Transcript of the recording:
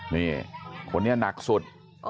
นี่คนนี้หนักสุด